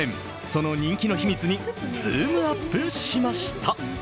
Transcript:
その人気の秘密にズームアップしました。